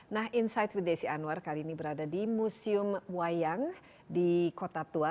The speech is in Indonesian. nah insight with desi anwar kali ini berada di museum wayang di kota tua